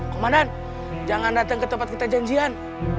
komandan jangan datang ke tempat kita janjian